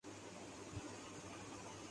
کے درمیان تکرار کی خبریں گردش کرتی ہیں